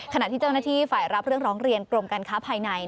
ขณะที่เจ้าหน้าที่ฝ่ายรับเรื่องร้องเรียนกรมการค้าภายใน